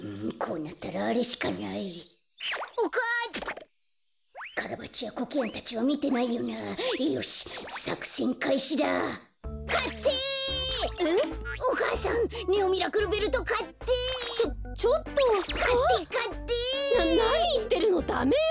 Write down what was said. ななにいってるのダメよ！